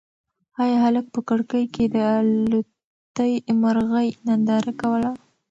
ایا هلک په کړکۍ کې د الوتی مرغۍ ننداره کوله؟